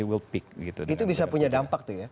itu bisa punya dampak tuh ya